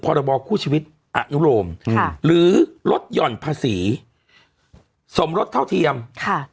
พรบคู่ชีวิตอนุโรมอืมหรือลดหย่อนภาษีสมรสเท่าเทียมค่ะ